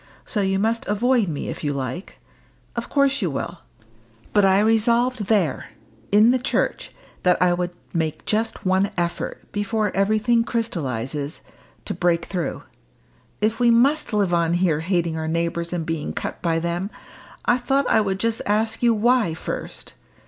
So you must avoid me if you like. Of course you will. But I resolved there in the church that I would make just one effort, before everything crystallises, to break through. If we must live on here hating our neighbours and being cut by them, I thought I would just ask you why, first.